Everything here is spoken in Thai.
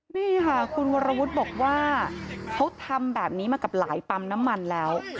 นี่ค่ะคุณวรวุฒิบอกว่าเขาทำแบบนี้มากับหลายปั๊มน้ำมันแล้ว